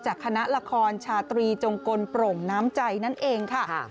คณะละครชาตรีจงกลโปร่งน้ำใจนั่นเองค่ะ